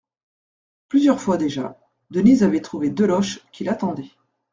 Plusieurs fois déjà, Denise avait trouvé Deloche qui l'attendait.